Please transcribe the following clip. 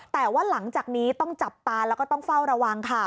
แต่ว่าหลังจากนี้ต้องจับตาแล้วก็ต้องเฝ้าระวังค่ะ